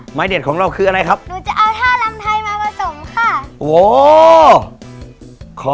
เด็ดของเราคืออะไรครับหนูจะเอาท่าลำไทยมาผสมค่ะ